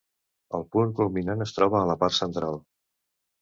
El punt culminant es troba a la part central.